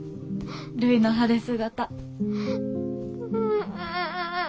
るいの晴れ姿。